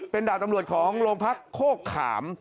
เป็นดาบตำรวจของโรงพักโคกขาม